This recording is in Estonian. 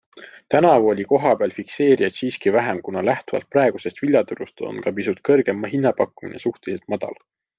Tänavu oli kohapeal fikseerijaid siiski vähem, kuna lähtuvalt praegusest viljaturust on ka pisut kõrgem hinnapakkumine suhteliselt madal.